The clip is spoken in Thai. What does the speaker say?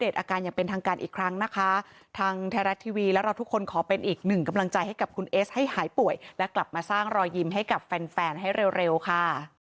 สร้างรอยยิ้มให้กับแฟนให้เร็วค่ะ